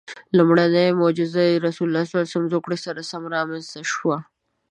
لومړنۍ معجزه یې د رسول الله له زوکړې سره سم رامنځته شوه.